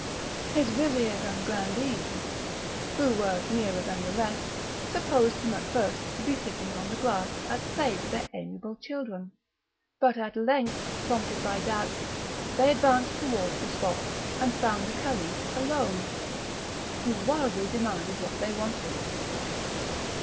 His vizirs and grandees, who were nearer than the rest, supposed him at first to be sitting on the grass at play with their amiable children; but at length, prompted by doubt, they advanced towards the spot, and found the Caliph alone, who wildly demanded what they wanted.